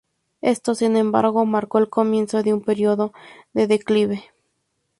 Esto, sin embargo, marcó el comienzo de un período de declive.